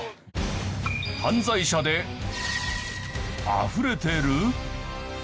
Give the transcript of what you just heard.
犯罪者であふれてる！？